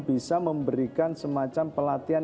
bisa memberikan semacam pelatihan